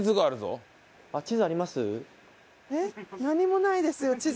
何もないですよ